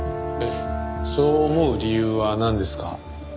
そう思う理由はなんですか？